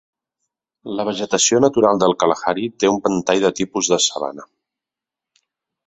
La vegetació natural del Kalahari té un ventall de tipus de sabana.